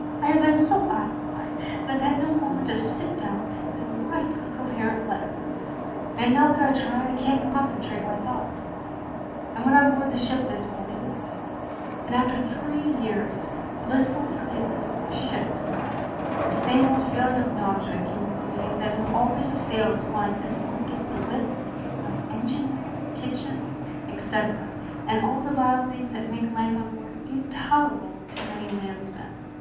.. I have been so occupied that I 've had no moment to sit down and write a coherent letter, and now that I try I can't concentrate my thoughts. I went on board the ship this morning, and after three years' blissful forgetfulness of ships, the same old feeling of nausea came over me that always assails one as one gets the first whiff of engine room, kitchens, etc., and all the vile things that make life on board intolerable to many landsmen.